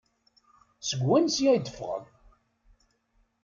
Seg wansi ay d-yeffeɣ?